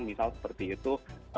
misal seperti itu